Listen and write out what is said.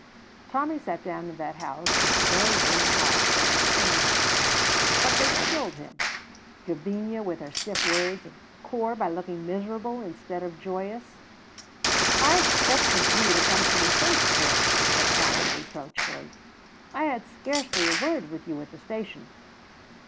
Tommy sat down in that house with a very warm heart for its inmates; but they chilled him Gavinia with her stiff words, and Corp by looking miserable instead of joyous. "I expected you to come to me first, Corp," said Tommy, reproachfully. "I had scarcely a word with you at the station."